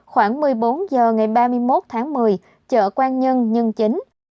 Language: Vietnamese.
khoảng một mươi bốn h ngày ba mươi một tháng một mươi chợ quang nhân nhân chính